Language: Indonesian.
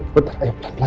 bentar ayo pelan pelan